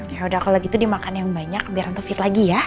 yaudah kalo gitu dimakan yang banyak biar tante fit lagi ya